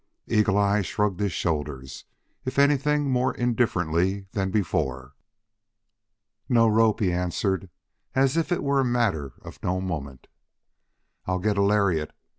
Eagle eye shrugged his shoulders, if anything more indifferently than before. "No rope," he answered, as if it were a matter of no moment. "I'll get a lariat.